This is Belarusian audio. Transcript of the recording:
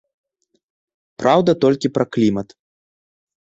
Праўда толькі пра клімат.